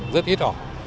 rất ít ở